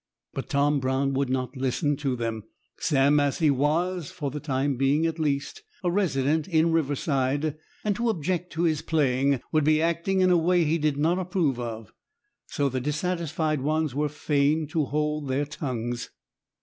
But Tom Brown would not listen to them. Sam Massie was, for the time being at least, a resident in Riverside, and to object to his playing would be acting in a way he did not approve of, so the dissatisfied ones were fain to hold their tongues.